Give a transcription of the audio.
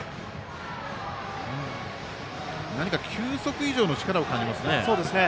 何か球速以上の力を感じますね。